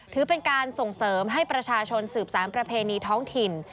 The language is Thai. ถือเป็นการส่งเสริมให้ประชาชนสืบสารประเพณีท้องถิ่น